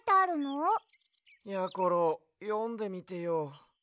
やころよんでみてよ。